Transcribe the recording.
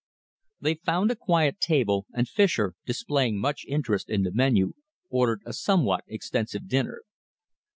They found a quiet table, and Fischer, displaying much interest in the menu, ordered a somewhat extensive dinner.